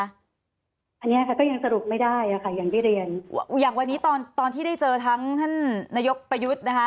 อันนี้ค่ะก็ยังสรุปไม่ได้อะค่ะอย่างที่เรียนอย่างวันนี้ตอนตอนที่ได้เจอทั้งท่านนายกประยุทธ์นะคะ